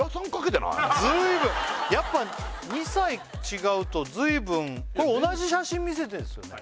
ずいぶんやっぱ２歳違うとずいぶん同じ写真見せてるんですよね？